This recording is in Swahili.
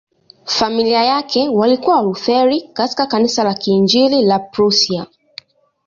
Familia yake walikuwa Walutheri katika Kanisa la Kiinjili la Prussia.